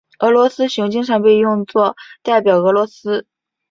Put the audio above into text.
俄罗斯熊经常被用作代表俄罗斯。